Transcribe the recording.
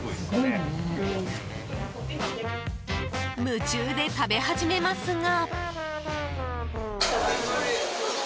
夢中で食べ始めますが。